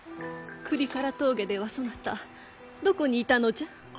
倶利伽羅峠ではそなたどこにいたのじゃ？